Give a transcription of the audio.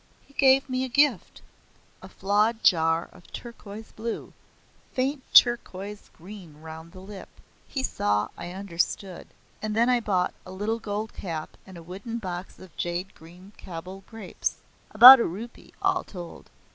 "He gave me a gift a flawed jar of turquoise blue, faint turquoise green round the lip. He saw I understood. And then I bought a little gold cap and a wooden box of jade green Kabul grapes. About a rupee, all told.